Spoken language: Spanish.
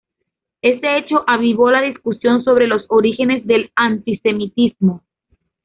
Este hecho avivó la discusión sobre los orígenes del antisemitismo.